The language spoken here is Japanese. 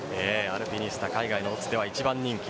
アルピニスタ海外のオッズでは一番人気。